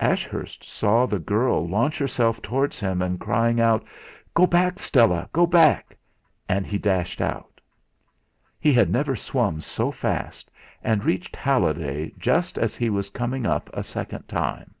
Ashurst saw the girl launch herself towards him, and crying out: "Go back, Stella! Go back!" he dashed out. He had never swum so fast, and reached Halliday just as he was coming up a second time.